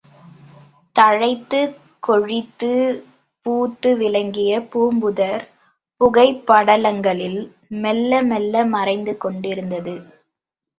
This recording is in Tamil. தழைத்துக் கொழித்துப் பூத்து விளங்கிய பூம்புதர் புகைப்படலங்களில் மெல்ல மெல்ல மறைந்து கொண்டிருந்தது.